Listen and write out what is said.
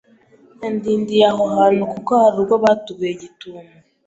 yandindiye aho hantu kuko harubwo batuguye gitumo